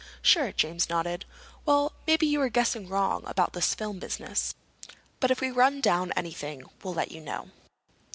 "Sure." James nodded. "Well, maybe we're guessing wrong about this film business. But if we run down anything we'll let you know."